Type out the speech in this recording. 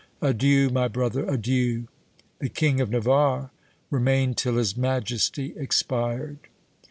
Adieu, my brother, adieu!' The King of Navarre remained till his majesty expired."